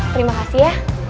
terima kasih ya